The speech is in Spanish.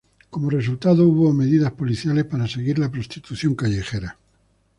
Como resultado hubo medidas policiales para seguir la prostitución callejera.